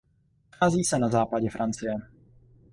Nachází se na západě Francie.